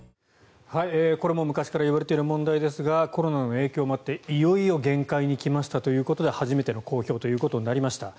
これも昔からいわれている問題ですがコロナの影響もあって、いよいよ限界に来ましたということで初めての公表ということになりました。